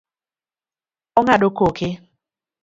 Ong'ado koke